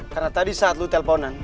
karena tadi saat lo telponan